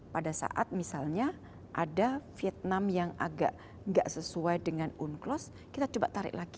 pada saat misalnya ada vietnam yang agak nggak sesuai dengan unclos kita coba tarik lagi